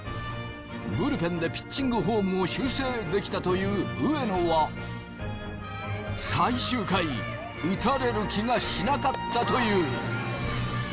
ブルペンでピッチングフォームを修正できたという上野は最終回打たれる気がしなかったという。